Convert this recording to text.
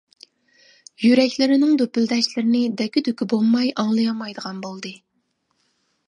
يۈرەكلىرىنىڭ دۈپۈلدەشلىرىنى دەككە-دۈككە بولماي ئاڭلىيالمايدىغان بولدى.